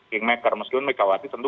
kingmaker meskipun megawati tentu